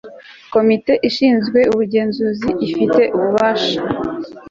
komite ishinzwe ubugenzuzi ifite ububasha